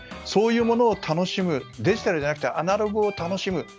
そういうものを楽しむデジタルじゃなくてアナログを楽しむ。